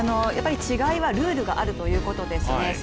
違いはルールがあるということですね。